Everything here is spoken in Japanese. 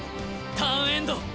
ターンエンド。